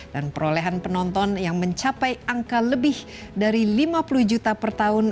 dan perolehan penonton yang mencapai angka lebih dari lima puluh juta per tahun